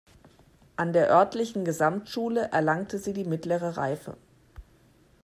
An der örtlichen Gesamtschule erlangte sie die mittlere Reife.